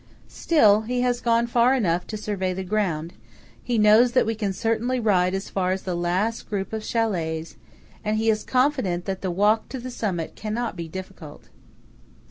Still he has gone far enough to survey the ground; he knows that we can certainly ride as far as the last group of châlets; and he is confident that the walk to the summit cannot be difficult.